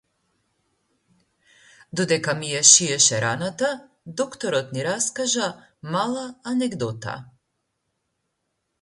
Додека ми ја шиеше раната докторот ни раскажа мала анегдота.